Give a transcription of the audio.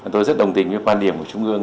tôi rất đồng tình với quan điểm của trung ương